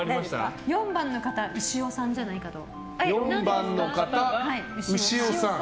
４番の方、牛尾さんじゃないかと。